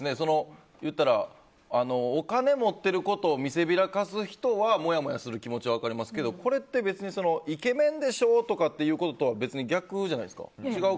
お金持ってることを見せびらかす人はもやもやする気持ちは分かりますけど、これはイケメンでしょってこととは逆じゃないですか。